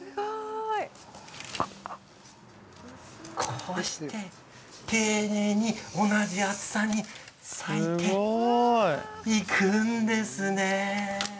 こうして丁寧に同じ厚さに割いていくんです。